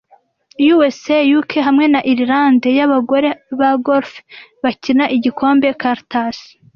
USA UK hamwe na Irlande y'abagore ba golf bakina igikombe Curtis